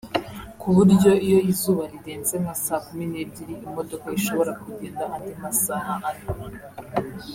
ku buryo iyo izuba rirenze nka saa kumi n’ebyiri imodoka ishobora kugenda andi masaha ane